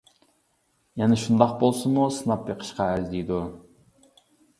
يەنە شۇنداق بولسىمۇ سىناپ بېقىشقا ئەرزىيدۇ.